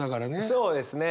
そうですね。